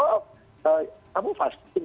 oh kamu pasti gak ambil religious person